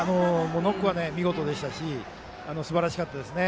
ノック、見事でしたしすばらしかったですね。